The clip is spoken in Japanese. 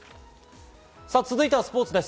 続いてスポーツです。